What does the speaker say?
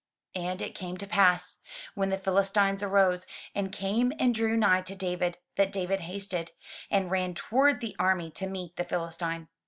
And it came to pass, when the Philistine arose, and came and drew nigh to David, that David hasted, and ran toward the army to meet the Philistine.